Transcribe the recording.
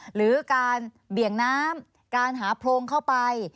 หรือการเบี่ยงน้ำการหาโพรงเข้าไป